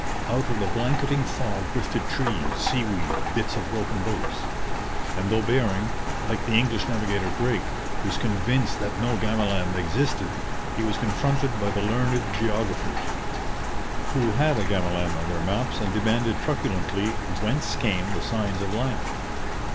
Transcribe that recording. Out of the blanketing fog drifted trees, seaweed, bits of broken boats. And though Bering, like the English navigator Drake, was convinced that no Gamaland existed, he was confronted by the learned geographers, who had a Gamaland on their maps and demanded truculently, whence came the signs of land?